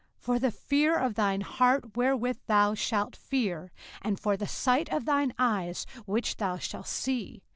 for the fear of thine heart wherewith thou shalt fear, and for the sight of thine eyes which thou shalt see.